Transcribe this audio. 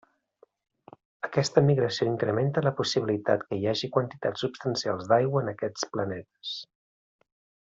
Aquesta migració incrementa la possibilitat que hi hagi quantitats substancials d’aigua en aquests planetes.